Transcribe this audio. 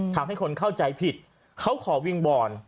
ทำให้คนเข้าใจผิดเขาขอวิ่งบ่อน